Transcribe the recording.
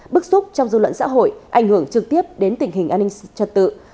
bức xúc trong dư luận xã hội ảnh hưởng trực tiếp đến tình hình an ninh trật tự